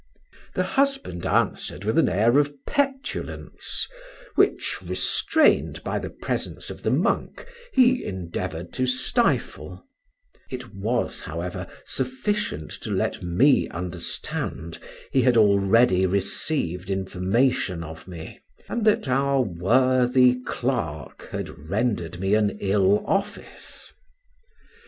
The husband answered with an air of petulance, which (restrained by the presence of the monk) he endeavored to stifle; it was, however, sufficient to let me understand he had already received information of me, and that our worthy clerk had rendered me an ill office.